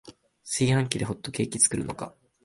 炊飯器でホットケーキ作るのか